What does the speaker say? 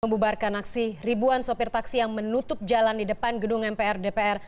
membubarkan aksi ribuan sopir taksi yang menutup jalan di depan gedung mpr dpr